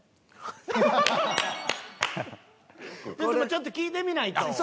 ちょっと聞いてみないと。